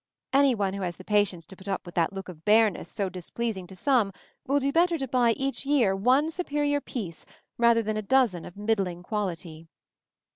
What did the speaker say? Any one who has the patience to put up with that look of bareness so displeasing to some will do better to buy each year one superior piece rather than a dozen of middling quality.